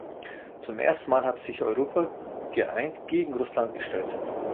Zum ersten Mal hat sich Europa geeint gegen Russland gestellt.